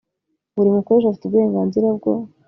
buri mukoresha afite uburenganzira bwo